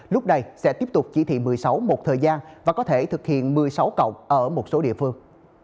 lúc này sẽ tiếp tục chỉ thị một mươi sáu một thời gian và có thể thực hiện một mươi sáu cộng ở một số địa phương